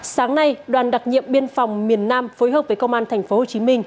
sáng nay đoàn đặc nhiệm biên phòng miền nam phối hợp với công an tp hcm